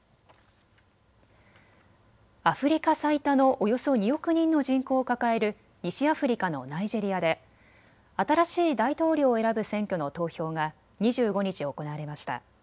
アフリカ最多のおよそ２億人の人口を抱える西アフリカのナイジェリアで新しい大統領を選ぶ選挙の投票が２５日、行われました。